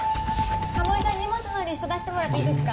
鴨井さん荷物のリスト出してもらっていいですか？